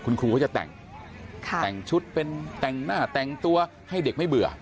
คุณครูเขาจะแต่งแต่งชุดเป็นแต่งหน้าแต่งตัวให้เด็กไม่เบื่อ